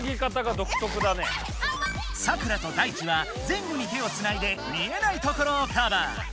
サクラとダイチは前後に手をつないで見えないところをカバー。